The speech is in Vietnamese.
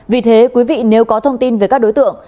vì thế quý vị nếu có thông tin về các đối tượng